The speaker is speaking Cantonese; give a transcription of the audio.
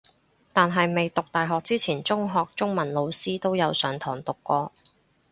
但係未讀大學之前中學中文老師都有上堂讀過